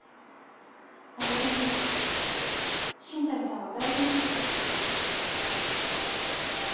私にとって新谷さんは大事な人です。